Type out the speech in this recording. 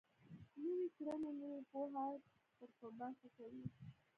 نويې کړنې نوې پوهه در په برخه کوي.